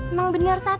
emang bener sat